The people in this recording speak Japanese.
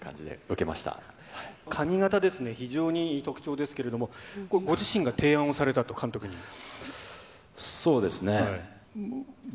なんか、髪形ですね、非常にですけれども、これ、ご自身が提案されたと、監督に。